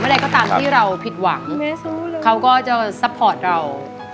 ใดก็ตามที่เราผิดหวังเขาก็จะซัพพอร์ตเรา